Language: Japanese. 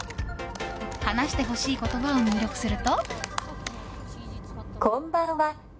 話してほしい言葉を入力すると。